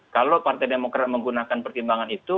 kalau partai demokrat menggunakan pertimbangan itu